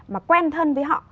mà quen thân với họ